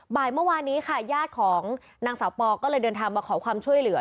บ่ายเมื่อวานนี้ค่ะญาติของนางสาวปอก็เลยเดินทางมาขอความช่วยเหลือ